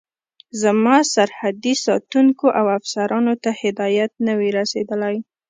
زما سرحدي ساتونکو او افسرانو ته هدایت نه وي رسېدلی.